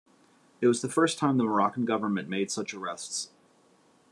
It was the first time the Moroccan government made such arrests.